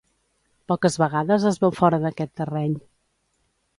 Poques vegades es veu fora d'aquest terreny.